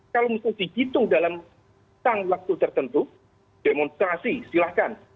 kalau misalnya dihitung dalam sang waktu tertentu demonstrasi silahkan